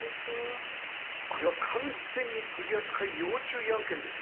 これは完全に取扱要注意案件ですよ。